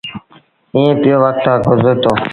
ايٚئيٚن پيو وکت گزرتو۔